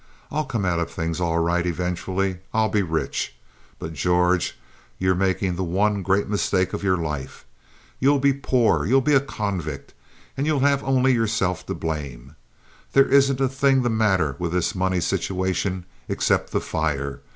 I'll come out of things all right, eventually. I'll be rich. But, George, you're making the one great mistake of your life. You'll be poor; you'll be a convict, and you'll have only yourself to blame. There isn't a thing the matter with this money situation except the fire.